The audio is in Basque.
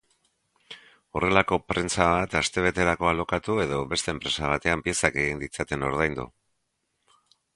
Horrelako prentsa bat astebeterako alokatu edo beste enpresa batean piezak egin ditzaten ordaindu...